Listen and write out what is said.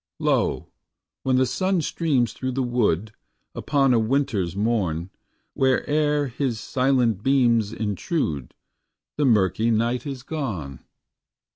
Lo, when the sun streams through the wood, Upon a winterâs morn, Whereâer his silent beams intrude, The murky night is gone.